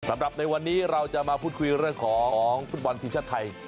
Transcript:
สำหรับในวันนี้เราจะมาพูดคุยเรื่องของฟุตบอลทีมชาติไทย